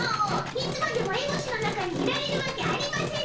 いつまでもえぼしの中にいられるわけありませぬ。